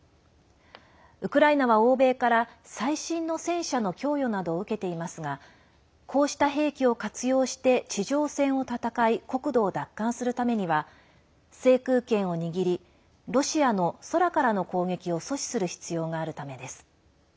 ウクライナは欧米から最新の戦車の供与などを受けていますがこうした兵器を活用して地上戦を戦い国土を奪還するためには制空権を握りロシアの空からの攻撃を阻止する必要があるためです。